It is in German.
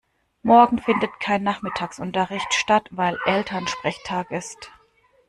Morgen findet kein Nachmittagsunterricht statt, weil Elternsprechtag ist.